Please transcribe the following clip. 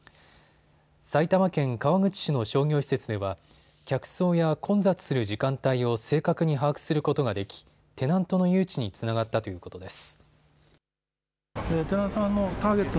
埼玉県川口市の商業施設では客層や混雑する時間帯を正確に把握することができテナントの誘致につながったということです。